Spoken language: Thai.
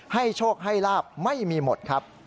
โชคให้ลาบไม่มีหมดครับ